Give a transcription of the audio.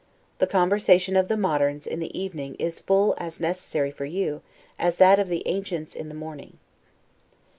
The conversation of the moderns in the evening is full as necessary for you, as that of the ancients in the morning.